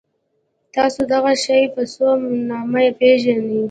تاسو دغه شی په څه نامه پيژنی؟